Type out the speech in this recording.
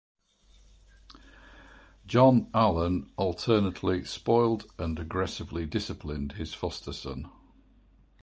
John Allan alternately spoiled and aggressively disciplined his foster son.